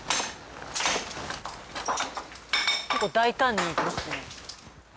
結構大胆にいきますね。